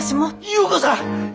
優子さん！